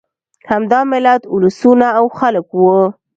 همدا ملت، اولسونه او خلک وو.